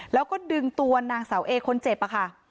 แล้วก็ดึงตัวนางสาวเอคนเจ็บค่ะ